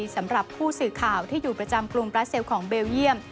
สำหรับผู้สื่อข่าวที่อยู่ประจำกรุงบราเซลของเบลเยี่ยม